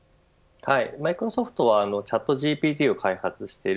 マイクロソフトはチャットＧＴＰを開発している。